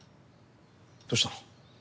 どうしたの？